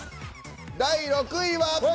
第６位は。